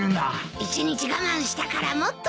一日我慢したからもっとおいしいよ。